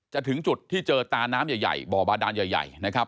ถึงจุดที่เจอตาน้ำใหญ่บ่อบาดานใหญ่นะครับ